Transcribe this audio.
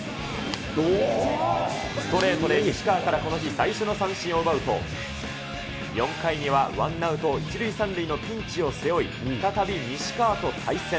ストレートで西川からこの日、最初の三振を奪うと、４回にはワンアウト１塁３塁のピンチを背負い、再び西川と対戦。